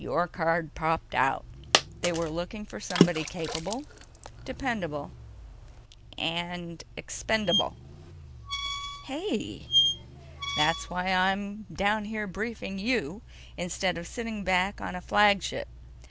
Your card popped out. They were looking for somebody capable, dependable ... and ... expendable!" "Hey!" "That's why I'm down here briefing you instead of sitting back on a flagship.